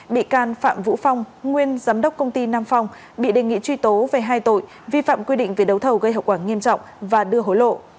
bị can phạm vũ phong nguyên giám đốc công ty nam phong bị đề nghị truy tố về hai tội vi phạm quy định về đấu thầu gây hậu quả nghiêm trọng và đưa hối lộ